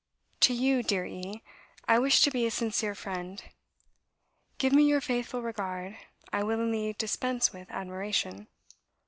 To you, dear E , I wish to be a sincere friend. Give me your faithful regard; I willingly dispense with admiration."